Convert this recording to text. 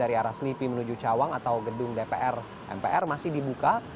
dari arah selipi menuju cawang atau gedung dpr mpr masih dibuka